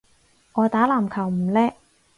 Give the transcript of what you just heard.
我打籃球唔叻